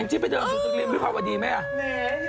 แองจิไปเล่นสตูดิโอตรงริมที่พวกมันดีไหม